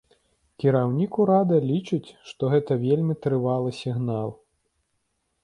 Кіраўнік урада лічыць, што гэта вельмі трывалы сігнал.